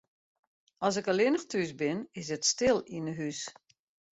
As ik allinnich thús bin, is it stil yn 'e hús.